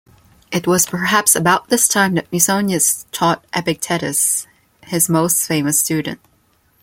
It was perhaps about this time that Musonius taught Epictetus, his most famous student.